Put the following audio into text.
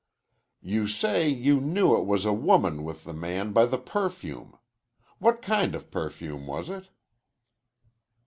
"You say you knew it was a woman with the man by the perfume. What kind of perfume was it?"